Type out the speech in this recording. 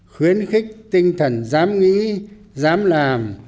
khuyến khích tinh thần dám nghĩ dám làm